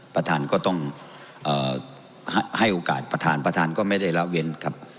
ประทานก็ต้องให้โอกาสประทานก็ไม่ได้รับเวียนครับ